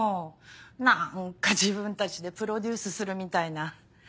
何か自分たちでプロデュースするみたいな。